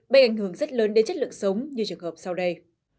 gây ảnh hưởng rất lớn đến chất lượng sống như trường hợp sau đây